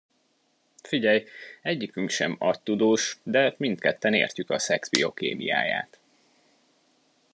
Figyelj, egyikünk sem agytudós, de mindketten értjük a szex biokémiáját.